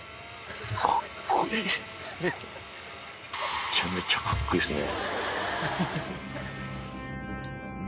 めちゃめちゃカッコイイっすね。